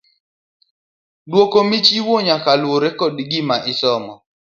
Duoko michiwo nyaka lure kod gima isomo.